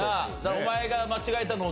お前が間違えたのを。